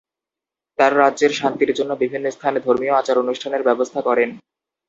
তার রাজ্যের শান্তির জন্য বিভিন্ন স্থানে ধর্মীয় আচার অনুষ্ঠানের ব্যবস্থা করেন।